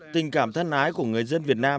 tình cảm thân ái của người dân việt nam